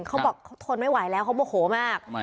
เขาบอกเขาทนไม่ไหวแล้วเขาโมโหมาก